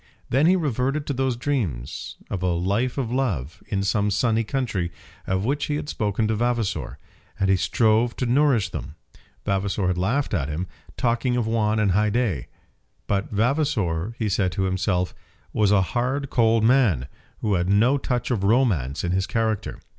Then he reverted to those dreams of a life of love, in some sunny country, of which he had spoken to Vavasor, and he strove to nourish them. Vavasor had laughed at him, talking of Juan and Haidée. But Vavasor, he said to himself, was a hard cold man, who had no touch of romance in his character.